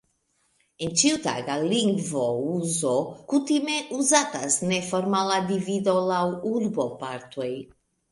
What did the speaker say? En ĉiutaga lingvouzo kutime uzatas neformala divido laŭ urbopartoj.